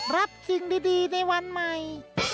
รับสิ่งดีในวันใหม่